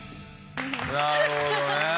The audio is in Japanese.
なるほどね。